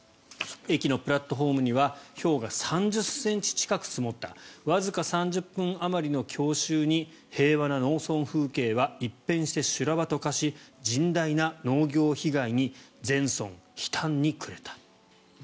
駅のプラットホームにはひょうが３０ｃｍ近く積もったわずか３０分あまりの強襲に平和な農村風景は一変して修羅場と化し甚大な農業被害に全村悲嘆に暮れた。